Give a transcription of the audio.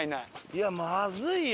いやまずいよ